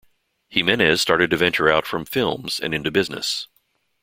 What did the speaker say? Jimenez started to venture out from films and into business.